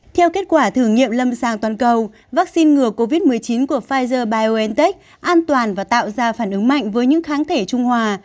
theo kết quả thử nghiệm lâm sàng toàn cầu vaccine ngừa covid một mươi chín của pfizer biontech an toàn và tạo ra phản ứng mạnh với những kháng thể trung hòa